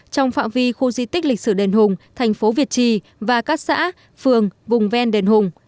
trong phạm vi khu di tích lịch sử đền hùng thành phố việt trì và các xã phường vùng ven đền hùng